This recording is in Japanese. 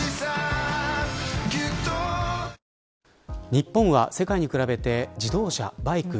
日本は、世界に比べて自動車、バイク